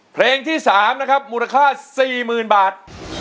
เพลงที่๓นะครับมูลค่า๔๐๐๐บาท